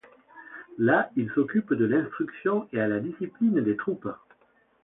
Là, il s’occupe de l’instruction et à la discipline des troupes.